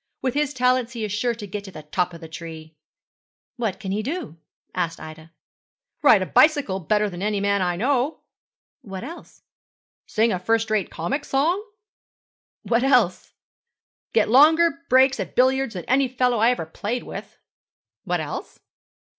With his talents he is sure to get to the top of the tree.' 'What can he do?' asked Ida. 'Ride a bicycle better than any man I know.' 'What else?' 'Sing a first rate comic song.' 'What else?' 'Get longer breaks at billiards than any fellow I ever played with.' 'What else?'